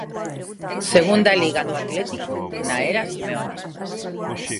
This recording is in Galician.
Segunda Liga do Atlético na era Simeone.